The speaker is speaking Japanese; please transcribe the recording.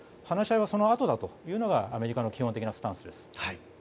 話し合いはそのあとだというのがアメリカの基本的なスタンスです。